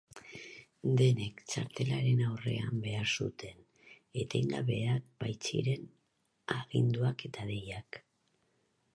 Denek txaletaren aurrean behar zuten, etengabeak baitziren aginduak eta deiak.